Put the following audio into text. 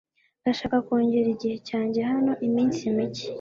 Ndashaka kongera igihe cyanjye hano iminsi mike.